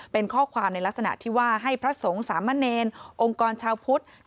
เป็นข้อความในลักษณะที่ว่าให้พระสงฆ์สามเณรองค์กรชาวพุทธ